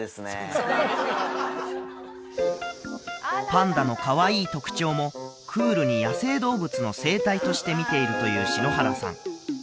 パンダのかわいい特徴もクールに野生動物の生態として見ているという篠原さん